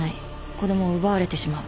子供を奪われてしまう。